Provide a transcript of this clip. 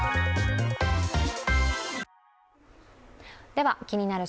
では「気になる！